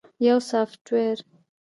- یو سافټویر 📦